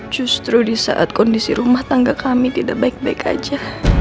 justru di saat kondisi rumah tangga kami tidak baik baik saja